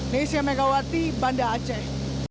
nesya megawati banda aceh